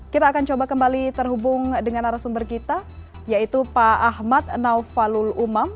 kita akan coba kembali terhubung dengan arah sumber kita yaitu pak ahmad naufalul umam